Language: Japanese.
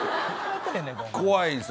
怖いんです